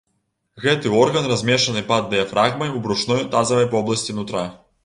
Гэты орган размешчаны пад дыяфрагмай у брушной тазавай вобласці нутра.